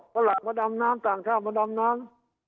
เพราะหลังว่าดำน้ำต่างท่าวมาดำน้ำ